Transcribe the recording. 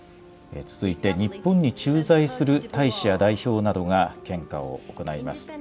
続いて日本に駐在する大使や代表などが献花を行います。